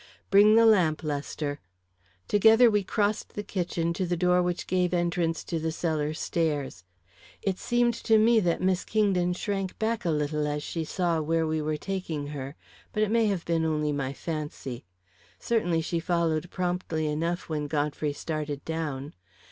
Bring the lamp, Lester." Together we crossed the kitchen to the door which gave entrance to the cellar stairs. It seemed to me that Miss Kingdon shrank back a little as she saw where we were taking her. But it may have been only my fancy. Certainly she followed promptly enough when Godfrey started down.